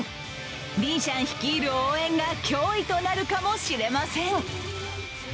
リン・シャン率いる応援が脅威となるかもしれません。